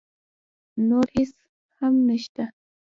نور هېڅ هم نه شته.